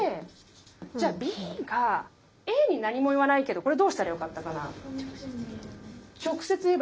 じゃあＢがＡに何も言わないけどこれどうしたらよかったかな。